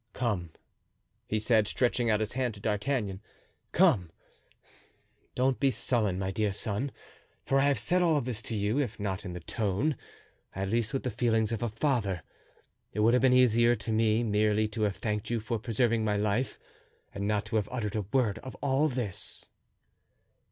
"Come," he said, stretching out his hand to D'Artagnan, "come, don't be sullen, my dear son, for I have said all this to you, if not in the tone, at least with the feelings of a father. It would have been easier to me merely to have thanked you for preserving my life and not to have uttered a word of all this."